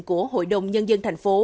của hội đồng nhân dân thành phố